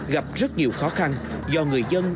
gặp rất nhiều khó khăn do người dân